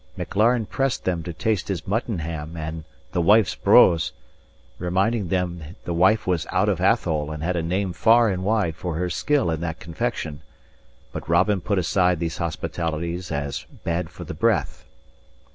Maclaren pressed them to taste his mutton ham and "the wife's brose," reminding them the wife was out of Athole and had a name far and wide for her skill in that confection. But Robin put aside these hospitalities as bad for the breath.